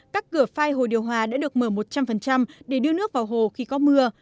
các cửa phai hồ điều hòa đã được mở một trăm linh để đưa nước vào hồ khi có mưa